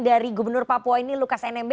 dari gubernur papua ini lukas nmb